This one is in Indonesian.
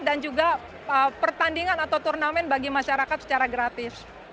dan juga pertandingan atau turnamen bagi masyarakat secara gratis